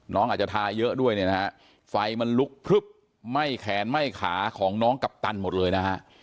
น้องอาจจะทาเยอะด้วยเนี่ยนะฮะไฟมันลุกพลึบไหม้แขนไหม้ขาของน้องกัปตันหมดเลยนะฮะ